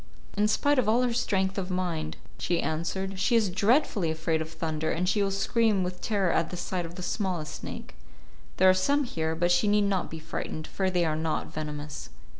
"In spite of all her strength of mind," she answered, "she is dreadfully afraid of thunder, and she will scream with terror at the sight of the smallest snake. There are some here, but she need not be frightened, for they are not venomous."